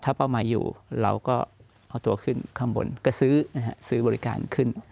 ถ้าเป้าหมายอยู่เราก็เอาตัวขึ้นข้างบนก็ซื้อซื้อบริการขึ้น